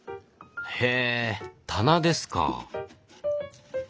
へぇ棚ですか。